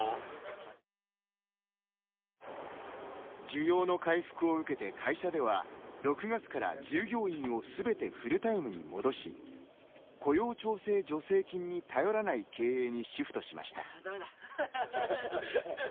需要の回復を受けて会社では６月から従業員をすべてフルタイムに戻し雇用調整助成金に頼らない経営にシフトしました。